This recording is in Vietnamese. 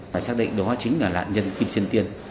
phải xác định đó chính là là nhân kim sinh